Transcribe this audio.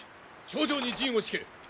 頂上に陣を敷け。